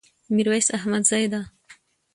ميرويس احمدزي ده